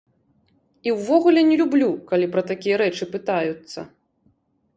І ўвогуле не люблю, калі пра такія рэчы пытаюцца.